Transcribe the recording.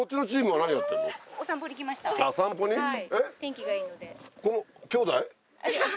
はい。